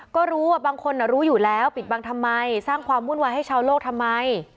ก็รู้ว่าบางคนรู้อยู่แล้วปิดบังทำไมสร้างความวุ่นวายให้ชาวโลกทำไม